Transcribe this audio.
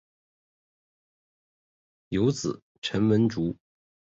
有子陈文烛。